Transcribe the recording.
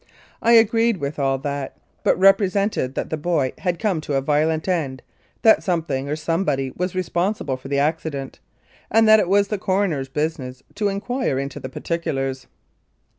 I agreed with all that, but represented that the boy had come to a violent end, that something or somebody was responsible for the accident, and that it was the coroner's business to inquire into the particulars.